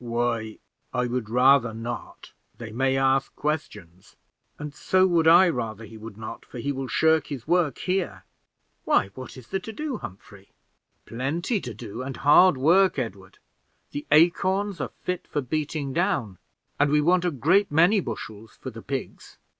"Why, I would rather not; they may ask questions." "And so would I rather he would not, for he will shirk his work here." "Why, what is there to do, Humphrey?" "Plenty to do, and hard work, Edward; the acorns are fit for beating down, and we want a great many bushels for the pigs.